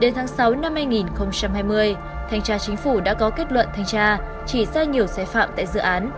đến tháng sáu năm hai nghìn hai mươi thanh tra chính phủ đã có kết luận thanh tra chỉ ra nhiều xe phạm tại dự án